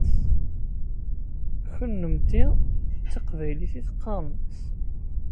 Kennemti d taqbaylit i teqqaṛemt.